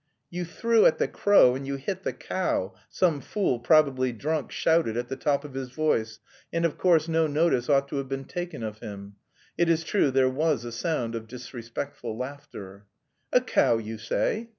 "You threw at the crow and you hit the cow," some fool, probably drunk, shouted at the top of his voice, and of course no notice ought to have been taken of him. It is true there was a sound of disrespectful laughter. "A cow, you say?"